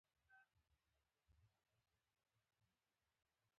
جګړه د وطن حیثیت ته صدمه رسوي